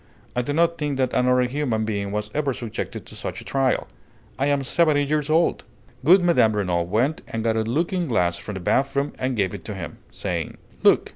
I do not think that another human being was ever subjected to such a trial. I am seventy years old!" Good Mme. Renault went and got a looking glass from the bath room and gave it to him, saying: "Look!"